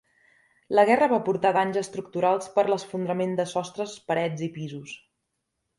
La guerra va portar danys estructurals per l'esfondrament de sostres, parets i pisos.